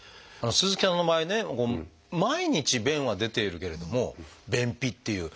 鈴木さんの場合ね毎日便は出ているけれども便秘っていう。